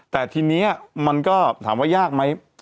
แต่ทีนี้มันก็ถามว่ายากไหม